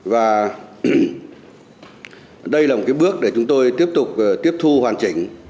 và đây là một bước để chúng tôi tiếp tục tiếp thu hoàn chỉnh